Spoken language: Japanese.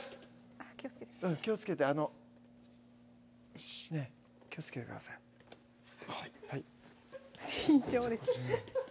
あっ気をつけて気をつけて気をつけてください緊張です